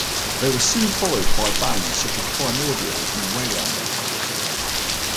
They were soon followed by bands such as Primordial and Waylander.